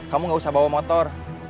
kamu gak usah bawa motor